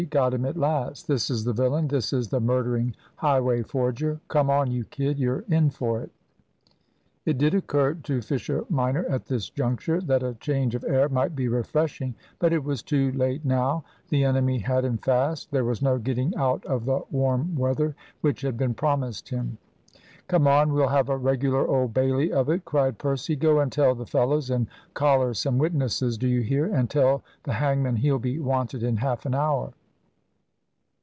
"Got him at last! This is the villain, this is the murdering, highway forger. Come on, you kid; you're in for it." It did occur to Fisher minor at this juncture that a change of air might be refreshing. But it was too late now. The enemy had him fast. There was no getting out of the "warm weather" which had been promised him. "Come on we'll have a regular Old Bailey of it," cried Percy. "Go and tell the fellows, and collar some witnesses, do you hear; and tell the hangman he'll be wanted in half an hour."